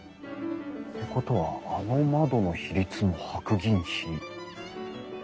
ってことはあの窓の比率も白銀比。